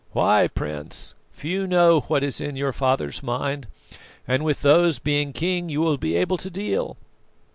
"Why, Prince? Few know what is in your father's mind, and with those, being king, you will be able to deal.